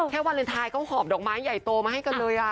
วาเลนไทยเขาหอบดอกไม้ใหญ่โตมาให้กันเลย